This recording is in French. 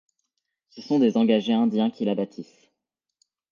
Ce sont des engagés indiens qui la bâtissent.